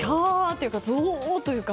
というかゾーッというか。